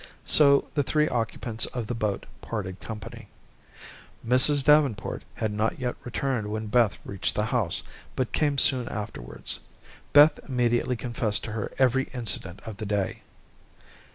So the three occupants of the boat parted company. Mrs. Davenport had not yet returned when Beth reached the house, but came soon afterwards. Beth immediately confessed to her every incident of the day.